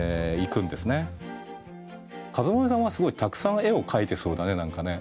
かずまめさんはすごいたくさん絵を描いてそうだね何かね。